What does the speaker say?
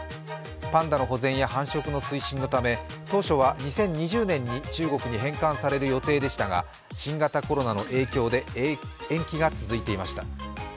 パンダの保全や繁殖の推進のため当初は２０２０年に中国に返還される予定でしたが、新型コロナの影響で延期が続いていました。